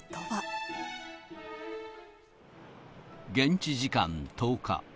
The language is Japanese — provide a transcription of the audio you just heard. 現地時間１０日。